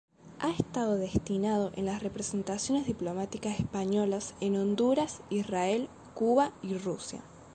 Ha estado destinado en las representaciones diplomáticas españolas en Honduras, Israel, Cuba y Rusia.